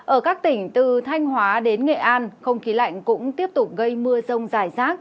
ở các tỉnh từ thanh hóa đến nghệ an không khí lạnh cũng tiếp tục gây mưa rông rải rác